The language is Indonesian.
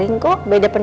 itu dari tempat